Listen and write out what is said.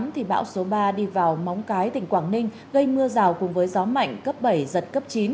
thì bão số ba đi vào móng cái tỉnh quảng ninh gây mưa rào cùng với gió mạnh cấp bảy giật cấp chín